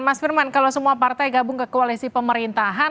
mas firman kalau semua partai gabung ke koalisi pemerintahan